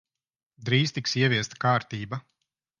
Drīz tiks ieviesta kārtība.